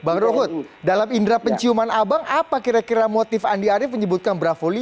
bang ruhut dalam indera penciuman abang apa kira kira motif andi arief menyebutkan bravo lima